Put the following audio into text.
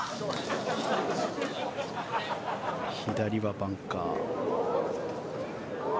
左はバンカー。